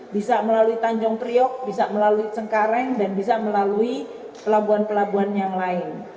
bisa melalui tanjung priok bisa melalui cengkareng dan bisa melalui pelabuhan pelabuhan yang lain